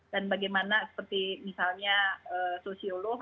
dan bagaimana seperti misalnya sosiolog